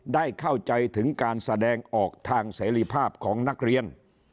ได้เข้าใจถึงการแสดงออกทางเสรีภาพของนักเรียน